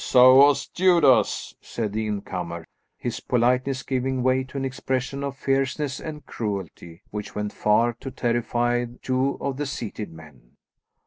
"So was Judas," said the incomer, his politeness giving way to an expression of fierceness and cruelty which went far to terrify two of the seated men.